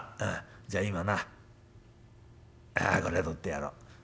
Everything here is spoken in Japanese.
じゃあ今な骨を取ってやろう。